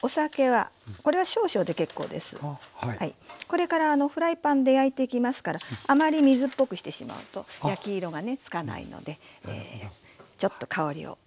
これからフライパンで焼いていきますからあまり水っぽくしてしまうと焼き色がねつかないのでちょっと香りをね加えて下さい。